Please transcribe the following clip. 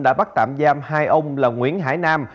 đã bắt tạm giam hai ông là nguyễn hải nam